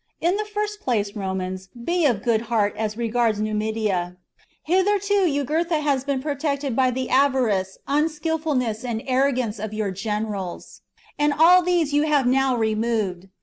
In the first place, Romans, be of good heart as regards Numidia. Hitherto Jugurtha has been protected by the avarice, unskilfulness, and arrogance of your generals, and all these you have now removed.